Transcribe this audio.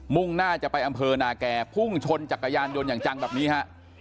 ่งหน้าจะไปอำเภอนาแก่พุ่งชนจักรยานยนต์อย่างจังแบบนี้ฮะ